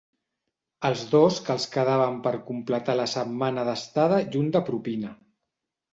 Els dos que els quedaven per completar la setmana d'estada i un de propina.